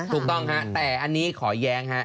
ถูกต้องฮะแต่อันนี้ขอแย้งฮะ